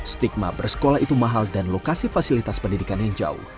stigma bersekolah itu mahal dan lokasi fasilitas pendidikan yang jauh